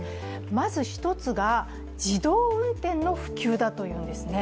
まず一つが自動運転の普及だというんですね。